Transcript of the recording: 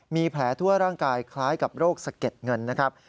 มีแผลทั่วร่างกายคล้ายกับโรคสะเก็ดเงินนะครับ